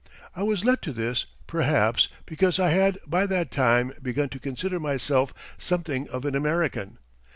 I was led to this, perhaps, because I had by that time begun to consider myself something of an American.